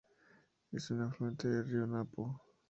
Es un afluente del río Napo.